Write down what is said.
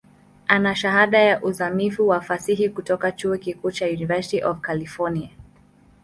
Ana Shahada ya uzamivu ya Fasihi kutoka chuo kikuu cha University of California.